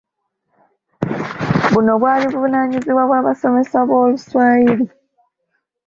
Buno bwali buvunaanyizibwa bw'abasomesa b'Oluswayiri.